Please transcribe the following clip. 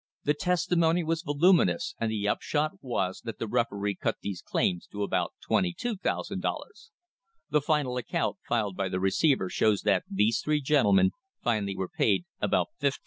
The testimony was volumi nous, and the upshot was that the referee cut these claims to about $22,000. The final account filed by the receiver shows that the three gentlemen finally were paid about $15,000.